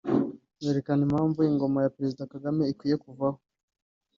berekana impamvu ingoma ya Président Kagame ikwiye kuvaho